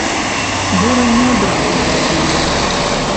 Бора не адразу зразумеў.